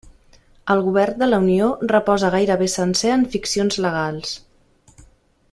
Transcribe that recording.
El govern de la Unió reposa gairebé sencer en ficcions legals.